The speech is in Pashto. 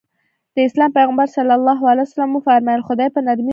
د اسلام پيغمبر ص وفرمايل خدای په نرمي ورکوي.